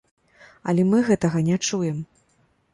Але мы гэтага не чуем!